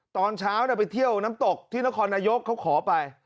ตอนเช้าไปเที่ยวน้ำตกที่นครนายกเขาขอไป